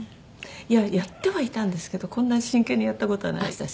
いややってはいたんですけどこんなに真剣にやった事はなかったし。